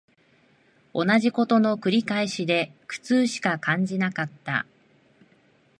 同じ事の繰り返しで苦痛しか感じなかった